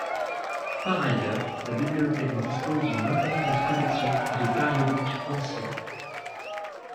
Par ailleurs, la bibliothèque dispose d’une importante collection de périodiques anciens.